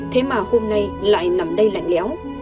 thế mà hôm nay lại nằm đây lạnh lẽo